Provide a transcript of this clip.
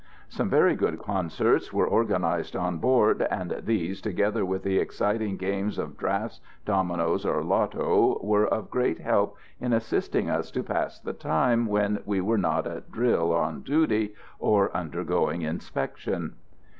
Some very good concerts were organised on board, and these, together with the exciting games of draughts, dominoes or loto, were of great help in assisting us to pass the time when we were not at drill, on duty, or undergoing inspection.